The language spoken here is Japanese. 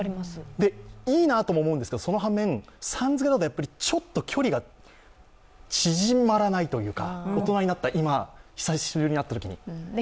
いいなとも思うんですけど、その反面、さん付けだとちょっと距離が縮まらないというか、大人になった今、久しぶりに会ったときに。